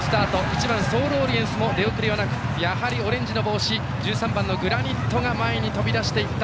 １番ソールオリエンスも出遅れはなくやはり、オレンジの帽子１３番グラニットが前に飛び出していった。